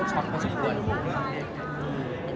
ก็ชอบจีบตอนนี้ก็ยังชอบแล้ว